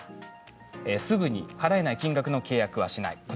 すぐに払えない金額の契約はしない。